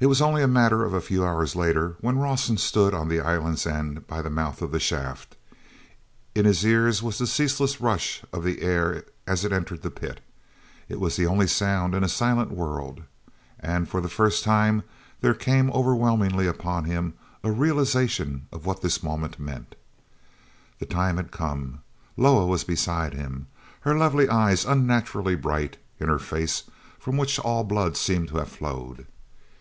t was only a matter of a few hours later when Rawson stood on the island's end by the mouth of the shaft. In his ears was the ceaseless rush of the air as it entered the pit; it was the only sound in a silent world. And for the first time there came overwhelmingly upon him a realization of what this moment meant. The time had come. Loah was beside him, her lovely eyes unnaturally bright in her face from which all the blood seemed to have flowed.